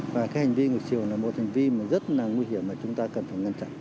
và cái hành vi ngược chiều là một hành vi mà rất là nguy hiểm mà chúng ta cần phải ngăn chặn